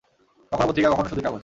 কখনো পত্রিকা, কখনো শুধুই কাগজ।